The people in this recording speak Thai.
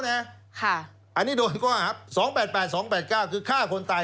เนี้ยค่ะอันนี้โดนก็หาสองแปดแปดสองแปดเก้าคือฆ่าคนตาย